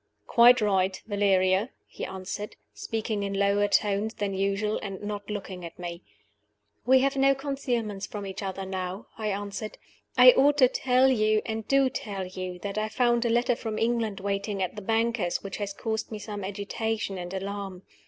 "Quite right, Valeria," he answered speaking in lower tones than usual, and not looking at me. "We have no concealments from each other now," I answered. "I ought to tell you, and do tell you, that I found a letter from England waiting at the banker's which has caused me some agitation and alarm.